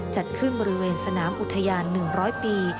จัดขึ้นบริเวณสนามอุทยาน๑๐๐ปี